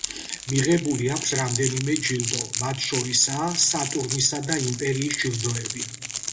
მიღებული აქვს რამდენიმე ჯილდო, მათ შორისაა სატურნისა და იმპერიის ჯილდოები.